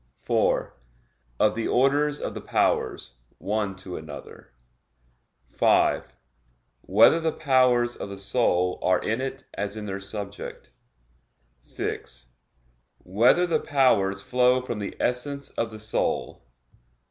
(4) Of the orders of the powers, one to another; (5) Whether the powers of the soul are in it as in their subject? (6) Whether the powers flow from the essence of the soul?